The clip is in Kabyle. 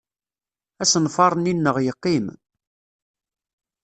Asenfaṛ-nni-nneɣ yeqqim.